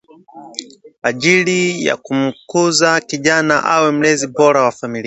ajili ya kumkuza kijana awe mlezi bora wa familia